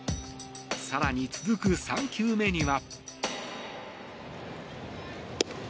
更に続く３球目には。